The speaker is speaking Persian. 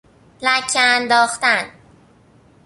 لکه انداختن